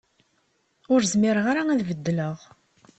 Ur zmireɣ ara ad beddleɣ.